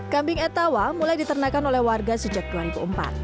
kambing etawa mulai diternakan oleh warga sejak dua ribu empat